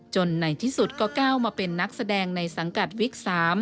ในที่สุดก็ก้าวมาเป็นนักแสดงในสังกัดวิก๓